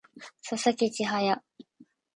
佐々木千隼